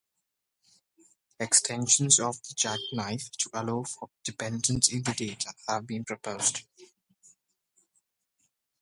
Extensions of the jackknife to allow for dependence in the data have been proposed.